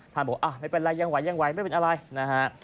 บอกไม่เป็นไรยังไหวยังไหวไม่เป็นอะไรนะฮะ